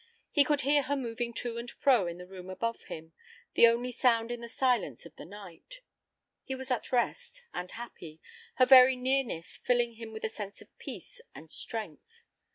He could hear her moving to and fro in the room above him, the only sound in the silence of the night. He was at rest, and happy, her very nearness filling him with a sense of peace and strength.